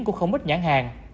của không ít nhãn hàng